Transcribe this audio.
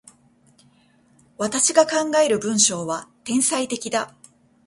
私が考える文章は、天才的だ。